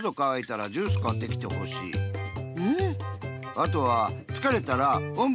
あとはつかれたらおんぶしてほしい。